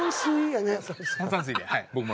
炭酸水ではい僕も。